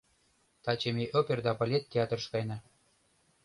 — Таче ме опер да балет театрыш каена.